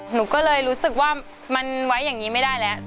หนูก็เลยรู้สึกว่ามันไว้อย่างนี้ไม่ได้แล้ว